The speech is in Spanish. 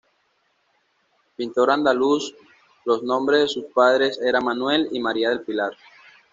Pintor andaluz los nombres de sus padres era Manuel y María del Pilar.